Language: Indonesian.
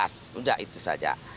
sudah itu saja